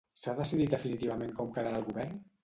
S'ha decidit definitivament com quedarà el govern?